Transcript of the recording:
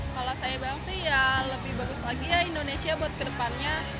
kalau saya bilang sih ya lebih bagus lagi ya indonesia buat kedepannya